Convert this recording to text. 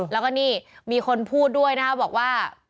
แล้วก็นี่มีคนพูดด้วยนะครับบอกว่า